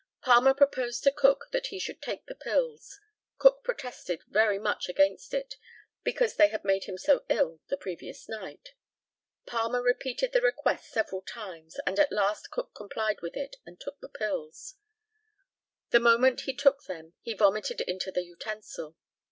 Palmer proposed to Cook that he should take the pills. Cook protested very much against it, because they had made him so ill the previous night. Palmer repeated the request several times, and at last Cook complied with it, and took the pills. The moment he took them he vomited into the utensil.